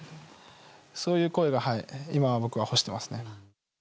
そういう声が今は僕は欲していますね。